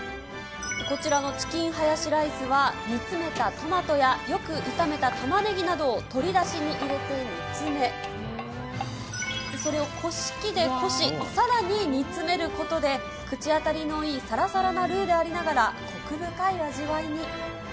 こちらのチキンハヤシライスは、煮詰めたトマトやよく炒めたタマネギなどを鶏だしに入れて煮詰め、それをこし器でこし、さらに煮詰めることで、口当たりのいいさらさらなルーでありながら、こく深い味わいに。